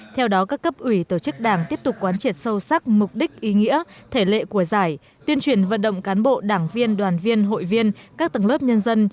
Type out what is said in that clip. theo đó các cấp ủy tổ chức đảng tiếp tục quán triệt sâu sắc mục đích ý nghĩa thể lệ của giải tuyên truyền vận động cán bộ đảng viên đoàn viên hội viên các tầng lớp nhân dân